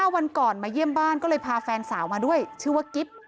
วันก่อนมาเยี่ยมบ้านก็เลยพาแฟนสาวมาด้วยชื่อว่ากิ๊บ